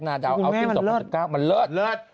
นาดาอัลติ้ง๒๐๑๙มันเลิศ